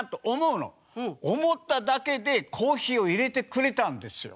思っただけでコーヒーをいれてくれたんですよ。